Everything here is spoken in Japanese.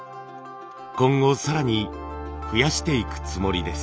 今後更に増やしていくつもりです。